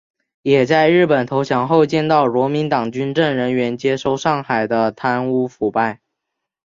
也在日本投降后见到国民党军政人员接收上海的贪污腐败。